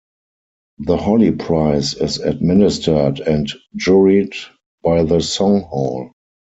The Holly Prize is administered and juried by the SongHall.